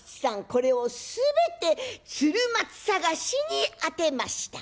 これを全て鶴松捜しに当てました。